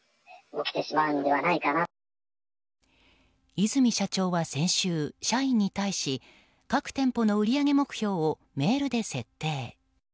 和泉社長は先週、社員に対し各店舗の売り上げ目標をメールで設定。